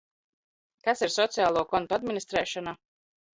Kas ir sociālo kontu administrēšana?